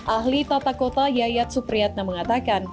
ahli tata kota yayat supriyatna mengatakan